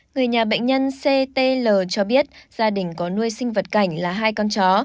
người nhà bệnh nhân ctl cho biết gia đình có nuôi sinh vật cảnh là hai con chó